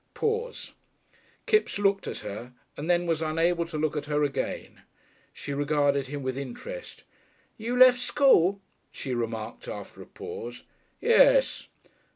Pause. Kipps looked at her, and then was unable to look at her again. She regarded him with interest. "You left school?" she remarked after a pause. "Yes."